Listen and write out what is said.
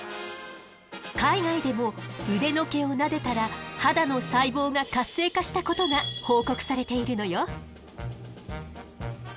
海外でも腕の毛をなでたら肌の細胞が活性化したことが報告されているのよ。